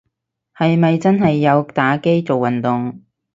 係咪真係有打機做運動